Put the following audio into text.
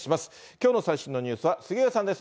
きょうの最新のニュースは杉上さんです。